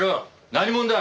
何者だ？